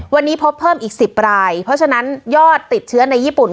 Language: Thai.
วันนี้พบเพิ่มอีก๑๐รายเพราะฉะนั้นยอดติดเชื้อในญี่ปุ่น